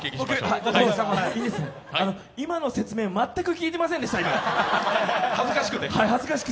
今の説明、全く聞いてませんでした、恥ずかしくて。